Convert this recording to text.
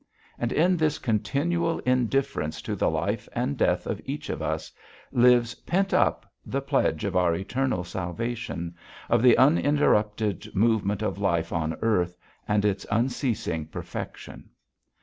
And in this continual indifference to the life and death of each of us, lives pent up, the pledge of our eternal salvation, of the uninterrupted movement of life on earth and its unceasing perfection.